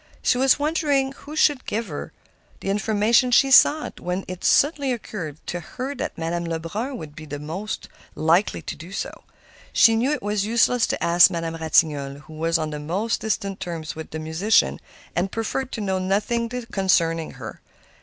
She was wondering who could give her the information she sought, when it suddenly occurred to her that Madame Lebrun would be the one most likely to do so. She knew it was useless to ask Madame Ratignolle, who was on the most distant terms with the musician, and preferred to know nothing concerning her.